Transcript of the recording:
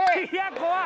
怖い！